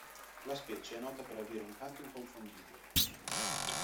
La specie è nota per avere un canto inconfondibile.